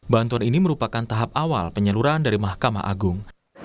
bantuan ini merupakan tahap awal penyaluran dari mahkamah agung